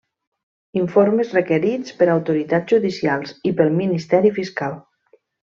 Informes requerits per autoritats judicials i pel Ministeri Fiscal.